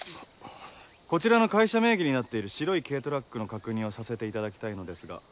こちらの会社名義になっている白い軽トラックの確認をさせていただきたいのですが。